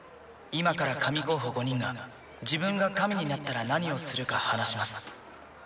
今から神候補５人が自分が神になったら何をするか話します